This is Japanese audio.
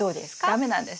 駄目なんです。